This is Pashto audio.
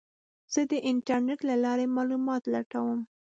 زه د انټرنیټ له لارې معلومات لټوم.